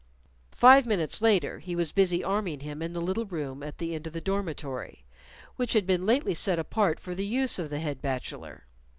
Five minutes later he was busy arming him in the little room at the end of the dormitory which had been lately set apart for the use of the head bachelor.